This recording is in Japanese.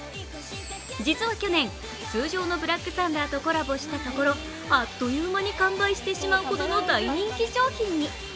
実は去年、通常のブラックサンダーとコラボしたところあっという間に完売してしまうほどの大人気商品に。